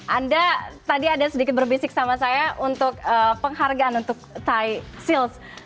anda tadi ada sedikit berbisik sama saya untuk penghargaan untuk thai sales